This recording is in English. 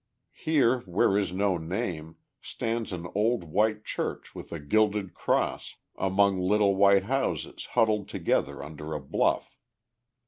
Here, where is no name, stands an old white church with a gilded cross, among little white houses huddled together under a bluff.